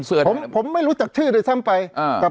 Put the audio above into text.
เพราะฉะนั้นประชาธิปไตยเนี่ยคือการยอมรับความเห็นที่แตกต่าง